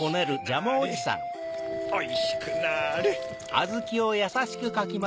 おいしくなれ。